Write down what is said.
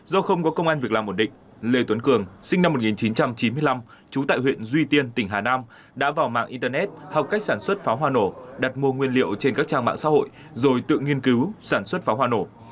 do không có công an việc làm ổn định lê tuấn cường sinh năm một nghìn chín trăm chín mươi năm trú tại huyện duy tiên tỉnh hà nam đã vào mạng internet học cách sản xuất pháo hoa nổ đặt mua nguyên liệu trên các trang mạng xã hội rồi tự nghiên cứu sản xuất pháo hoa nổ